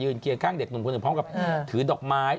เคียงข้างเด็กหนุ่มคนหนึ่งพร้อมกับถือดอกไม้